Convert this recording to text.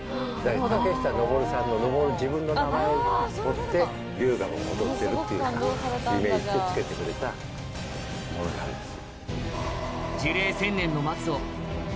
竹下登さんの自分の名前を取って龍が踊ってるっていうイメージで付けてくれたものになるんです。